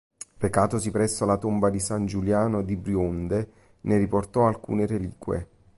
Recatosi presso la tomba di San Giuliano di Brioude, ne riportò alcune reliquie.